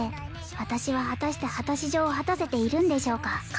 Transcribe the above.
私は果たして果たし状を果たせているんでしょうか？